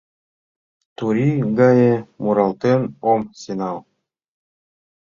Турий гае муралтен ом сеҥал.